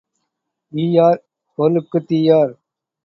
ஈயார் பொருளுக்குத் தீயார்.